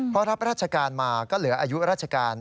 พอรับราชการมาก็เหลืออายุราชการ